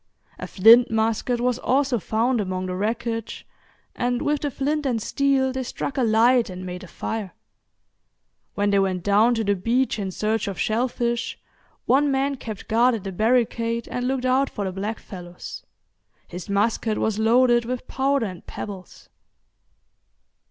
A flint musket was also found among the wreckage, and with the flint and steel they struck a light and made a fire. When they went down to the beach in search of shellfish, one man kept guard at the barricade, and looked out for the blackfellows; his musket was loaded with powder and pebbles.